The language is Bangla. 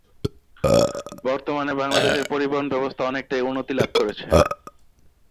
বর্তমানে বাংলাদেশের পরিবহন ব্যবস্থা অনেকটাই উন্নতি লাভ করেছে।